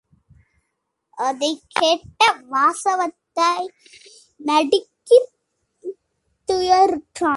அதைக் கேட்ட வாசவதத்தை நடுங்கித் துயருற்றாள்.